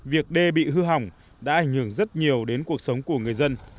việc đê bị hư hỏng đã ảnh hưởng rất nhiều đến cuộc sống của người dân